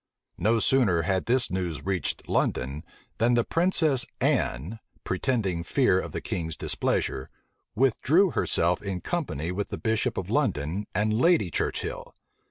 No sooner had this news reached London, than the princess Anne, pretending fear of the king's displeasure, withdrew herself in company with the bishop of London and Lady Churchill.